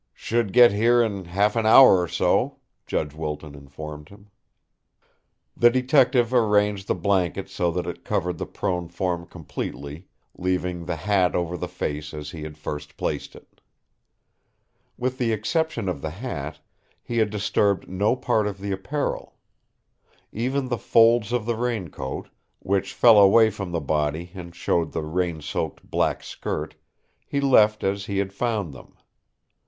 "Should get here in half an hour or so," Judge Wilton informed him. The detective arranged the blanket so that it covered the prone form completely, leaving the hat over the face as he had first placed it. With the exception of the hat, he had disturbed no part of the apparel. Even the folds of the raincoat, which fell away from the body and showed the rain soaked black skirt, he left as he had found them.